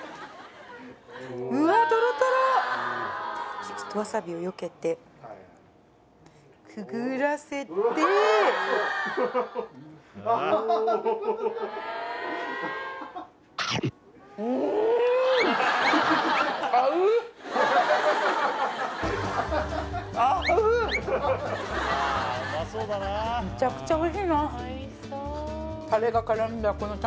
ちょっとわさびをよけてくぐらせてめちゃくちゃおいしいなタレが絡んだこの卵